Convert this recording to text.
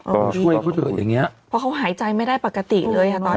ก็ช่วยพูดแบบอย่างเงี้ยเพราะเขาหายใจไม่ได้ปกติเลยอ่ะตอนเนี้ย